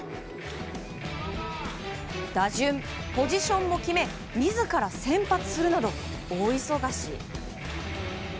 打順、ポジションも決め自ら先発するなど大忙し。